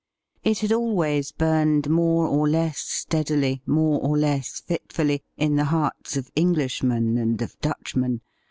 It had always burned more or less steadily, more or less fitfully, in the hearts of Englishmen and of Dutchmen.